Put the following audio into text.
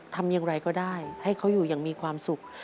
ทำอย่างไรก็ได้ให้เขาอยู่อย่างมีความสุข